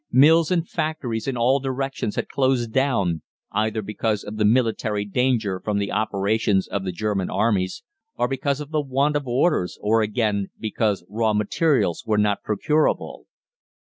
Mills and factories in all directions had closed down, either because of the military danger from the operations of the German armies, or because of the want of orders, or, again, because raw materials were not procurable.